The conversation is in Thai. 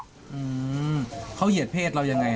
อืมเขาเหยียดเพศเรายังไง